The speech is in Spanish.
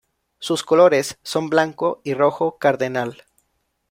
Sus colores son blanco y rojo cardenal.